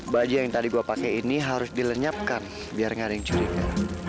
bajik yang tadi aku pakai ini harus dilenyapkan biar tak ada curiga